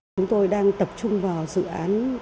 chúng tôi đang tập trung vào dự án